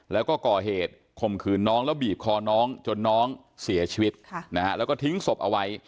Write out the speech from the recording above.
แล้วก็ก่อเหตุข่มขืนน้องแล้วบีบคอน้องจนน้องเสียชีวิตแล้วก็ทิ้งศพเอาไว้